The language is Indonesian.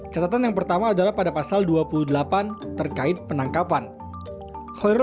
catatan yang pertama adalah pada pasal dua puluh delapan terkait penangkapan